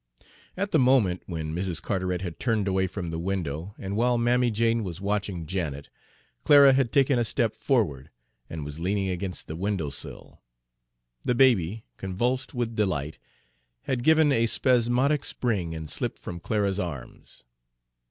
At the moment when Mrs. Carteret had turned away from the window, and while Mammy Jane was watching Janet, Clara had taken a step forward, and was leaning against the window sill. The baby, convulsed with delight, had given a spasmodic spring and slipped from Clara's arms.